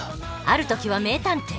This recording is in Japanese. ある時は名探偵。